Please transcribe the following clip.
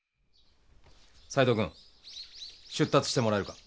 「斎藤君出立してもらえるか」。